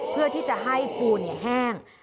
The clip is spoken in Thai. เพื่อที่จะให้ปูนแห้ง